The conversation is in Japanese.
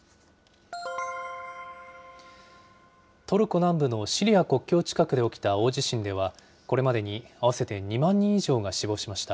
トルコ南部のシリア国境近くで起きた大地震では、これまでに合わせて２万人以上が死亡しました。